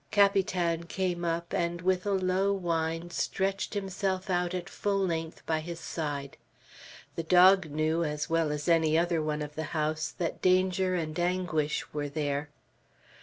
Capitan came up, and with a low whine stretched himself out at full length by his side. The dog knew as well as any other one of the house that danger and anguish were there.